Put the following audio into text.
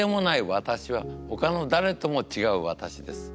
私はほかの誰とも違う私です。